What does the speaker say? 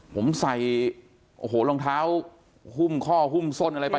ผมใส่โอ้โหรองเท้าหุ้มข้อหุ้มส้นอะไรไป